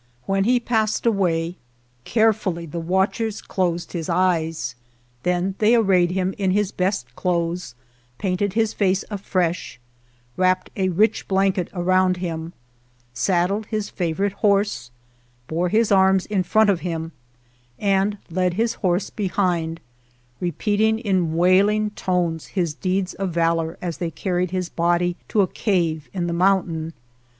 When he passed away, carefully the watchers closed his eyes, then they arrayed him in his best clothes, painted his face afresh, wrapped a rich blanket around him, saddled his favor ite horse, bore his arms in front of him, and led his horse behind, repeating in wailing tones his deeds of valor as they carried his body to a cave in the mountain.